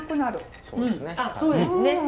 あっそうですね。